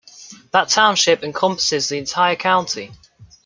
That township encompasses the entire county.